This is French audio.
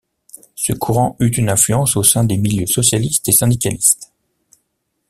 Ce courant eut une influence au sein des milieux socialistes et syndicalistes.